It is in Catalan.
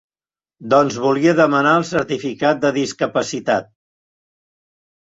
Doncs volia demanar el certificat de discapacitat.